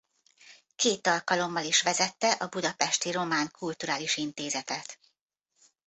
Két alkalommal is vezette a budapesti Román Kulturális Intézetet.